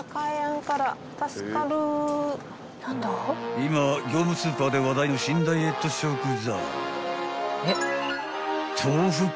［今業務スーパーで話題の新ダイエット食材］